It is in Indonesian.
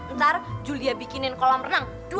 ntar julia bikinin kolam renang